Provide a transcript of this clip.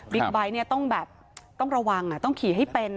บิ๊กไบท์เนี่ยต้องแบบต้องระวังต้องขี่ให้เป็น